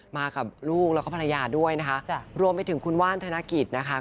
มากับลูกแล้วก็ภรรยาด้วยนะคะรวมไปถึงคุณว่านธนกิจนะคะ